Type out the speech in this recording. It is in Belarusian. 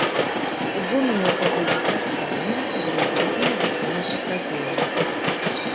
Зона мелкаводдзя пясчаная, глыбей дно выслана сапрапелем.